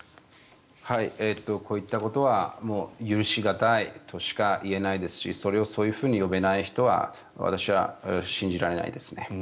こういったことは許し難いとしか言えないですしそれをそういうふうに呼べない人は私は信じられないです。